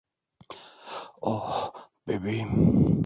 Oh, bebeğim.